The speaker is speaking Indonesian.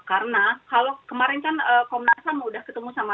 karena kalau kemarin kan komnasam sudah ketemu sama